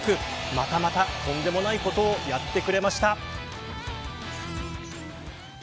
またまた、とんでもないことをやってくれました。